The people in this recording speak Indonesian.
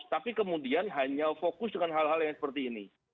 tapi kemudian hanya fokus dengan hal hal yang seperti ini